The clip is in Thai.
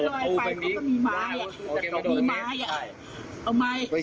เอาม้ายไปแข่งลุบไป